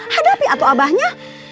hadapi atau abahnya